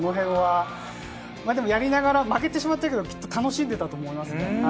まぁでもやりながら、負けてしまったけど、きっと楽しんでたと思います。